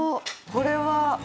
これは。